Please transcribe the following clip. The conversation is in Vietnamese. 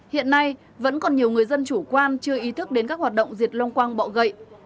hiện nay vẫn còn nhiều người dân chủ quan chưa ý thức đến các hoạt động diệt long quang bọ gậy